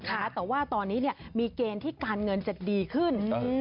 แต่ว่าตอนนี้มีเกณฑ์ที่การเงินจะดีขึ้น